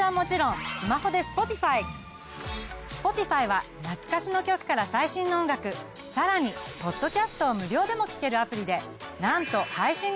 Ｓｐｏｔｉｆｙは懐かしの曲から最新の音楽さらにポッドキャストを無料でも聞けるアプリでなんと配信楽曲は邦楽含め８，０００万